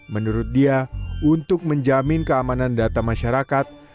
menurut dia untuk menjamin keamanan data masyarakat